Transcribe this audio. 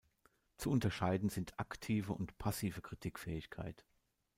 Zu unterscheiden sind "aktive" und "passive Kritikfähigkeit".